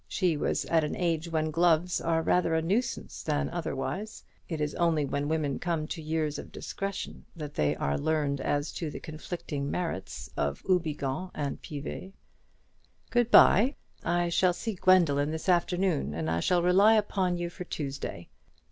She was at an age when gloves are rather a nuisance than otherwise; it is only when women come to years of discretion that they are learned as to the conflicting merits of Houbigant and Piver. "Good bye. I shall see Gwendoline this afternoon; and I shall rely upon you for Tuesday.